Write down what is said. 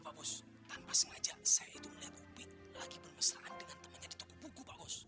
pak bos tanpa sengaja saya itu melihat upik lagi bermesraan dengan temannya di toko puku pak bos